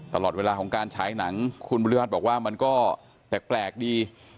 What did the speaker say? ตลอดเวลาของการใช้หนังขุมภูเรฟภัทรบอกว่ามันก็แปลกดี